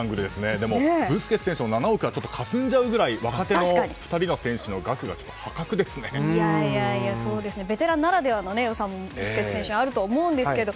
でも、ブスケツ選手の７億がかすんじゃうくらい若手の２人の選手の額がベテランならではの良さもブスケツ選手にはあると思うんですけども。